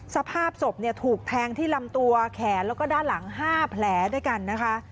สภาพศพถูกแทงที่ลำตัวแขนแล้วก็ด้านหลัง๕แผลด้วยกันนะคะ